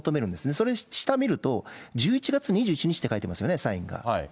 それ、下見ると、１１月２１日と書いてありますよね、サインが。